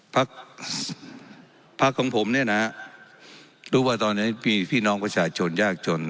พักพักของผมเนี่ยนะฮะรู้ว่าตอนนี้มีพี่น้องประชาชนยากจน